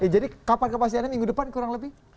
jadi kapan kepastiannya minggu depan kurang lebih